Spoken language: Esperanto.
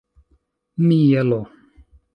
mielo